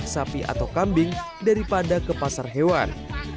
sapi atau kambing daripada ke pasar hewan